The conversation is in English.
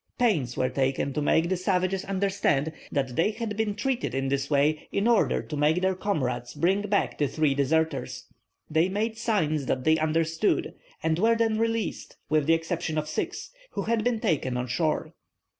Pains were taken to make the savages understand that they had been treated in this way in order to make their comrades bring back the three deserters. They made signs that they understood, and were then released, with the exception of six, who had been taken on shore.